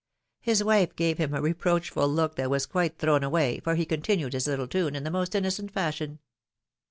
His wife gave him a reproach ful look, that was quite thrown away, for he continued his little tune in the most innocent fashion.